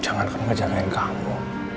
jangan kena ngejagain kamu